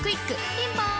ピンポーン